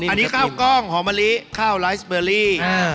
อันนี้ข้าวกล้องหอมะลิข้าวไลฟ์สเบอรี่